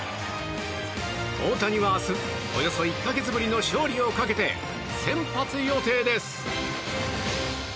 大谷は明日およそ１か月ぶりの勝利をかけて先発予定です。